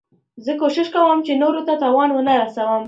زه کوشش کوم، چي نورو ته تاوان و نه رسوم.